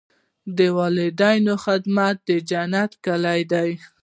د والدینو خدمت د جنت کلي ده.